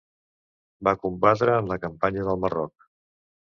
Va combatre en la campanya del Marroc.